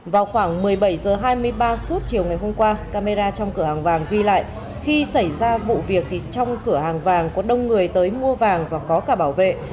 vào khoảng một mươi bảy h hai mươi ba phút chiều ngày hôm qua camera trong cửa hàng vàng ghi lại khi xảy ra vụ việc thì trong cửa hàng vàng có đông người tới mua vàng và có cả bảo vệ